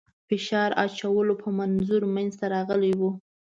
فشار اچولو په منظور منځته راغلی وو.